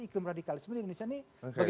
iklim radikalisme di indonesia ini bagaimana nih